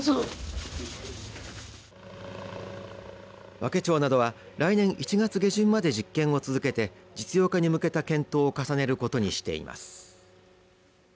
和気町などは来年１月下旬まで実験を続けて実用化に向けた検討を重ねることにしています。